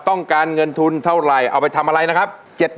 ต้องการเงินทุนเท่าไหร่เอาไปทำอะไรนะครับ